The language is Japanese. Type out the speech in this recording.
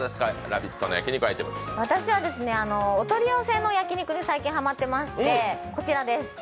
私はお取り寄せの焼き肉に最近ハマってまして、こちらです。